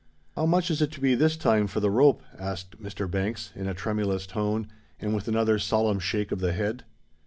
"How much is it to be this time for the rope?" asked Mr. Banks, in a tremulous tone and with another solemn shake of the head.